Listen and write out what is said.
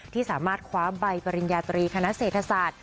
ที่สามารถคว้าใบปริญญาตรีคณะเศรษฐศาสตร์